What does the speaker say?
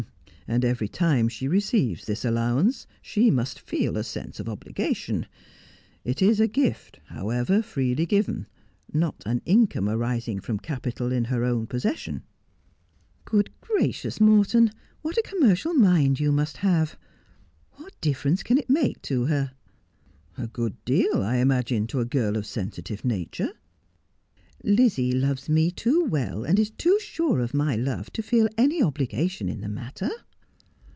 ' And every time she receives this allowance she must feel a sense of obligation. It is a gift, however freely given — not an income arising from capital in her own possession.' ' Good gracious, Morton, what a commercial mind you must have ! What difference can it make to her 1' ' A good deal, I imagine, to a girl of sensitive nature.' ' Lizzie loves me too well, and is too sure of my love, to feel any obligation in the matter.'